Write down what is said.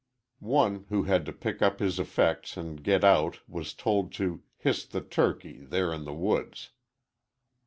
'" One who had to pick up his effects and get out was told to "histe the turkey" there in the woods.